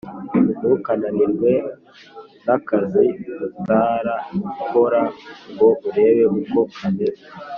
Ntukananirwe na akazi utara kora ngo urebe uko kameze